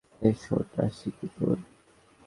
এ শোন, রাশি কী তোর?